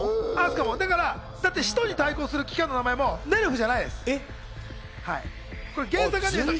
使徒に対抗する機関の名前もネルフじゃない。